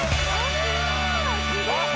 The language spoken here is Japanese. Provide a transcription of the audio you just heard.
すごい。